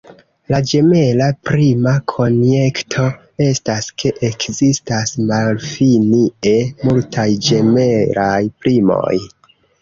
La ĝemela prima konjekto estas, ke ekzistas malfinie multaj ĝemelaj primoj.